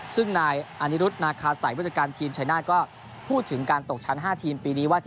ซึ่งนายอานิรุธนาคาสัยผู้จัดการทีมชายนาฏก็พูดถึงการตกชั้น๕ทีมปีนี้ว่า